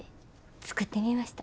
作ってみました。